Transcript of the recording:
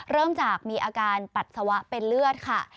เริ่มจากมีอาการปัสสาวะเป็นเลือดค่ะ